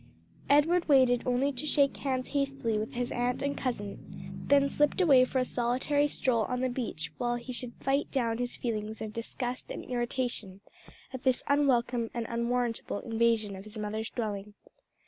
Edward waited only to shake hands hastily with his aunt and cousin, then slipped away for a solitary stroll on the beach while he should fight down his feelings of disgust and irritation at this unwelcome and unwarrantable invasion of his mother's dwelling.